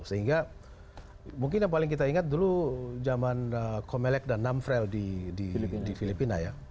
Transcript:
sehingga mungkin yang paling kita ingat dulu zaman komelek dan namfrel di filipina ya